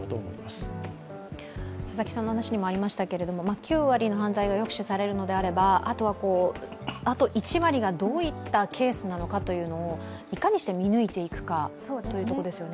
９割の犯罪が抑止されるのであればあと１割がどういったケースなのかをいかにして見抜いていくかですね。